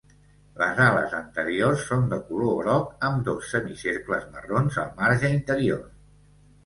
Les ales anteriors són de color groc amb dos semicercles marrons al marge interior.